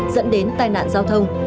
dẫn đến tai nạn giao thông